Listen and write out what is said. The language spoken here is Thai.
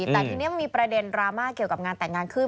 แต่ทีนี้มันมีประเด็นดราม่าเกี่ยวกับงานแต่งงานขึ้น